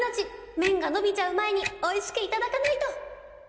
めんがのびちゃうまえにおいしくいただかないと！